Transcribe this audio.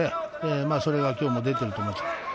それが今日も出ていると思います。